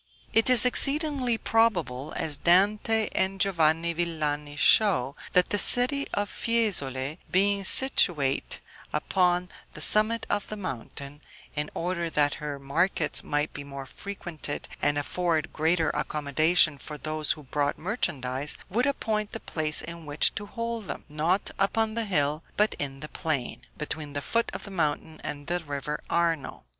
It is exceedingly probable, as Dante and Giovanni Villani show, that the city of Fiesole, being situate upon the summit of the mountain, in order that her markets might be more frequented, and afford greater accommodation for those who brought merchandise, would appoint the place in which to told them, not upon the hill, but in the plain, between the foot of the mountain and the river Arno.